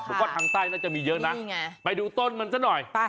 ผมว่าทางใต้น่าจะมีเยอะนะไปดูต้นมันซะหน่อย